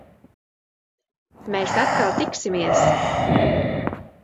Mēs atkal tiksimies!